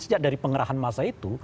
sejak dari pengerahan masa itu